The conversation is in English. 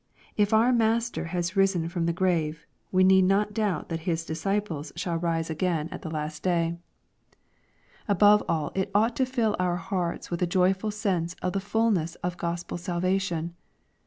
If our Master has risen from the grave^ we need not doubt that His disciples shall rise LUKE, CHAP. XXIV. 493 again at the last day. — Above all it ought to fill our hearts with a joyful sense of the fulness of Gospel sal vation.